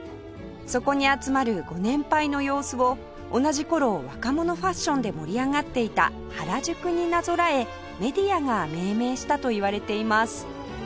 そこに集まるご年配の様子を同じ頃若者ファッションで盛り上がっていた原宿になぞらえメディアが命名したといわれています